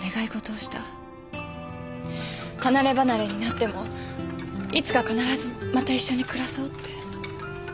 離れ離れになってもいつか必ずまた一緒に暮らそうって。